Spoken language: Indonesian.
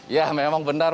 ya memang benar